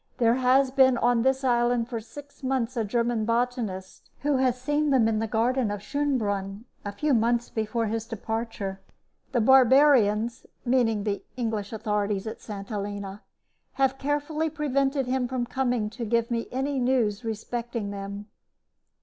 There has been on this island for six months a German botanist, who has seen them in the garden of Schoenbrunn a few months before his departure. The barbarians (meaning the English authorities at St. Helena) have carefully prevented him from coming to give me any news respecting them."